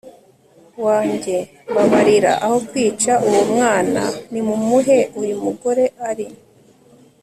wange, mbabarira! aho kwica uwo mwana, nimumuhe uyu mugore ari